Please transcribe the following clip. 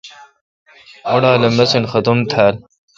اوڑال اے مسین ختُم تھال۔